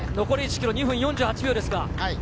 残り１ｋｍ、２分４８秒ですか。